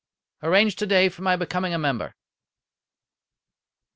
"Arrange today for my becoming a member."